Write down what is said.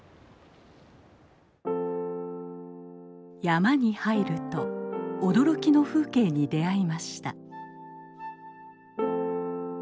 山に入ると驚きの風景に出会いました。